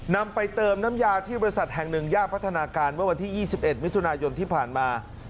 นำไปเติมน้ำยาที่บริษัทแห่งหนึ่งย่านพัฒนาการเมื่อวันที่๒๑มิถุนายนที่ผ่านมา